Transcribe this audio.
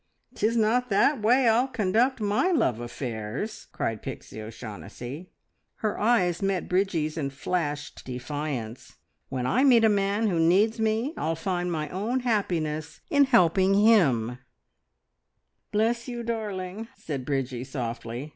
'Tis not that way I'll conduct my love affairs!" cried Pixie O'Shaughnessy. Her eyes met Bridgie's, and flashed defiance. "When I meet a man who needs me I'll find my own happiness in helping him!" "Bless you, darling!" said Bridgie softly.